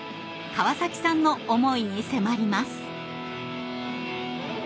川崎さんの思いに迫ります。